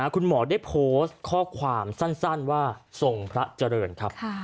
คุณหมอได้โพสต์ข้อความสั้นว่าทรงพระเจริญครับ